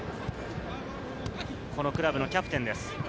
このクラブのキャプテンです。